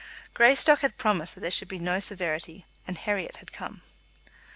Greystock had promised that there should be no severity, and Herriot had come.